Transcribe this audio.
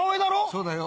そうだよ。